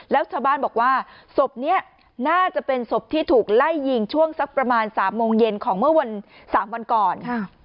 แล้วชาวบ้านบอกว่าศพนี้น่าจะเป็นศพที่ถูกไล่ยิงช่วงสักประมาณ๓โมงเย็นของเมื่อ๓วันก่อน